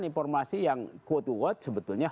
informasi yang quote to quote sebetulnya